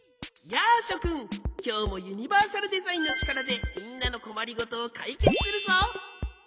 やあしょくんきょうもユニバーサルデザインのちからでみんなのこまりごとをかいけつするぞ。